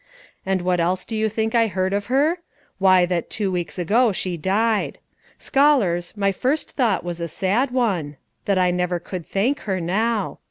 And what else do you think I heard of her? Why, that two weeks ago she died. Scholars, my first thought was a sad one, that I never could thank her now.